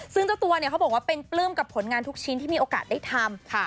ซึ่งเจ้าตัวเนี่ยเขาบอกว่าเป็นปลื้มกับผลงานทุกชิ้นที่มีโอกาสได้ทำ